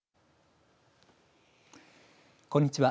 こんにちは。